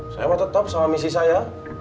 saya mau tetap sama misi saya